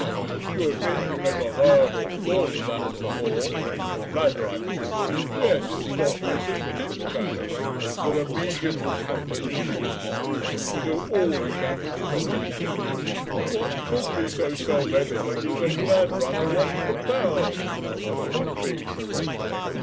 You admit you never heard or thought of that before the bladder, I mean. Yet it's as obvious as tintacks that a medium who's hampered at his hands will do all he can with his teeth, and what could be so self evident as a bladder under one's lappel? What could be?